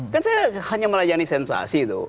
kan saya hanya melayani sensasi tuh